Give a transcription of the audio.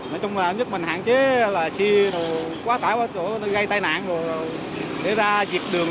nhất mình hạn chế xe quá tải gây tai nạn để ra diệt đường